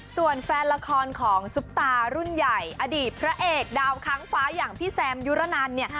ส่วนแฟนละครของซุปตารุ่นใหญ่อดีตพระเอกดาวค้างฟ้าอย่างพี่แซมยุรนันเนี่ย